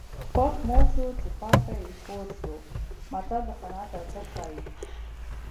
پښ موړ شو چې پاته یې کور شو متل د قناعت ارزښت ښيي